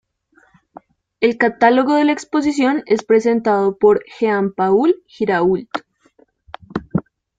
El catálogo de la exposición es presentado por Jean-Paul Girault.